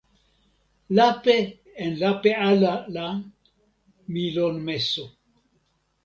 lape en lape ala la, mi lon meso.